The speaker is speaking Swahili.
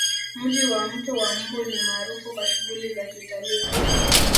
Mji wa mto wa mbu ni maarufu kwa shughuli za Kiutalii